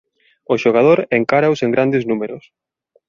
O xogador encáraos en grandes números.